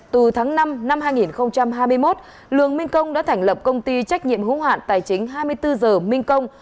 từ tháng năm năm hai nghìn hai mươi một lường minh công đã thành lập công ty trách nhiệm hữu hạn tài chính hai mươi bốn h minh công